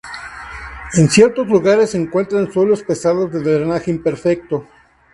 En ciertos lugares se encuentran suelos pesados de drenaje imperfecto.